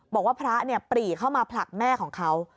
บอกว่าพระปรีเข้ามาผลักแม่ของเขา